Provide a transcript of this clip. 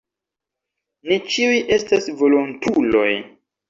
Ni ĉiuj estas volontuloj.